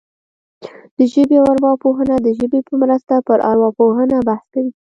د ژبې ارواپوهنه د ژبې په مرسته پر ارواپوهنه بحث کوي